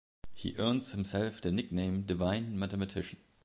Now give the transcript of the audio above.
He earns himself the nickname "Divine Mathematician".